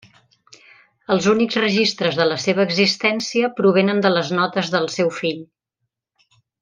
Els únics registres de la seva existència provenen de les notes del seu fill.